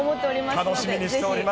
楽しみにしております。